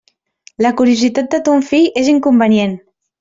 La curiositat de ton fill és inconvenient.